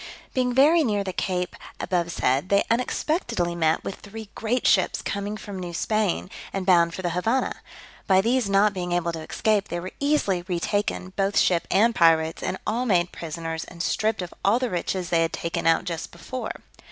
Being very near the cape abovesaid, they unexpectedly met with three great ships coming from New Spain, and bound for the Havannah; by these not being able to escape, they were easily retaken, both ship and pirates, and all made prisoners, and stripped of all the riches they had taken but just before.